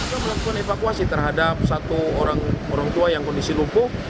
kita melakukan evakuasi terhadap satu orang tua yang kondisi lupuh